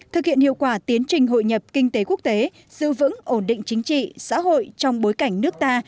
thực hiện hiệu quả tiến trình hội nhập kinh tế quốc tế giữ vững ổn định chính trị xã hội trong bối cảnh nước ta